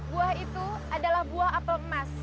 buah itu adalah buah apel emas